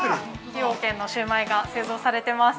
◆崎陽軒のシウマイが製造されてます。